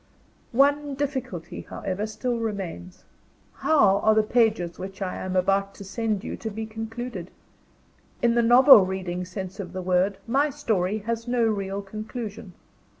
One difficulty, however, still remains: How are the pages which I am about to send you to be concluded? In the novel reading sense of the word, my story has no real conclusion.